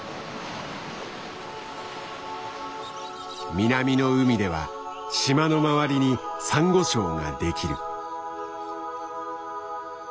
南の海では島の周りにサンゴ礁ができる。